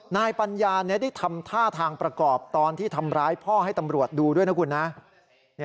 นายปัญญาได้ทำท่าทางประกอบตอนที่ทำร้ายพ่อให้ตำรวจดูด้วยนะคุณนะ